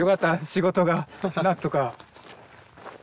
仕事がなんとか。